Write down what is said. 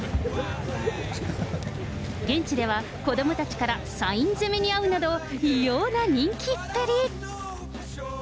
現地では子どもたちからサイン攻めにあうなど、異様な人気っぷり。